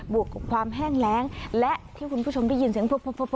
วกกับความแห้งแรงและที่คุณผู้ชมได้ยินเสียงพลุบ